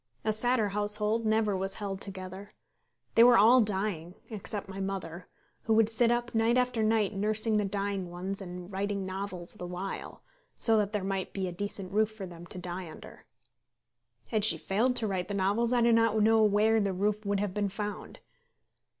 A sadder household never was held together. They were all dying; except my mother, who would sit up night after night nursing the dying ones and writing novels the while, so that there might be a decent roof for them to die under. Had she failed to write the novels, I do not know where the roof would have been found.